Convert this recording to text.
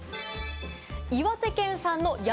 岩手県産の山